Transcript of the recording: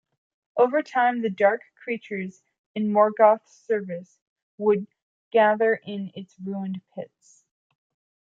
Over time, the dark creatures in Morgoth's service would gather in its ruined pits.